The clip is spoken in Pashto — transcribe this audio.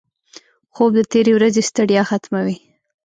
خوب د تېرې ورځې ستړیا ختموي